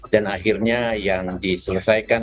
dan akhirnya yang diselesaikan